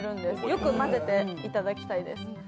よく混ぜていただきたいです。